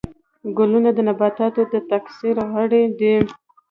ګلونه د نباتاتو د تکثیر غړي دي